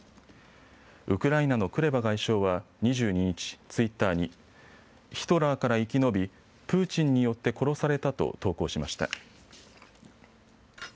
ウクライナのクレバ外相は２２日、ツイッターにヒトラーから生き延び、プーチンによって殺されたと投稿しました。